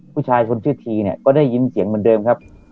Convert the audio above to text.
ผู้ชายคนชื่อทีเนี่ยก็ได้ยินเสียงเหมือนเดิมครับ